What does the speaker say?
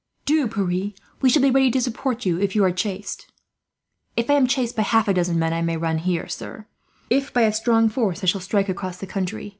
"Do, Pierre. We shall be ready to support you, if you are chased." "If I am chased by half a dozen men, I may run here, sir; if by a strong force, I shall strike across the country.